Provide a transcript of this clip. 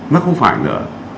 nó không phải nữa